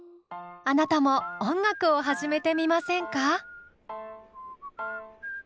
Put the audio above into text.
あなたも音楽を始めてみませんか？